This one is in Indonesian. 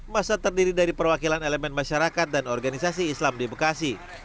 masa terdiri dari perwakilan elemen masyarakat dan organisasi islam di bekasi